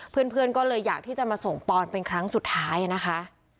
เพื่อนก็เลยอยากที่จะมาส่งปอนเป็นครั้งสุดท้ายนะคะ